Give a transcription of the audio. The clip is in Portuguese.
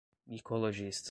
micologista